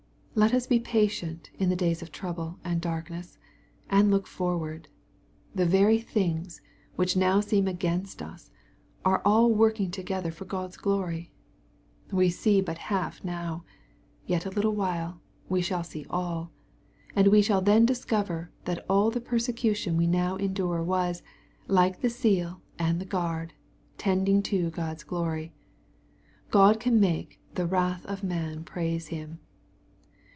Let us be patient in the days of trouble and darkness, and look forward. The very things which now seem against us, are all working together for God's glory. We see but half now. — Yet a little, we shall see all. And we shall then discover that all the persecution we now endure was, like the seal and the guard, tending to God's glory. God can make the "wrath of man praise him."